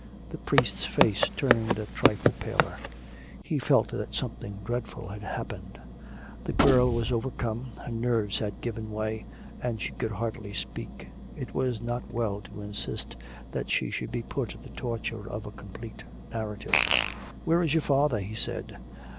The priest's face turned a trifle paler. He felt that something dreadful had happened. The girl was overcome; her nerves had given way, and she could hardly speak. It were not well to insist that she should be put to the torture of a complete narrative. 'Where is your father?' he said.